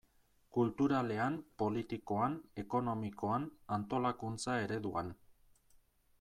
Kulturalean, politikoan, ekonomikoan, antolakuntza ereduan...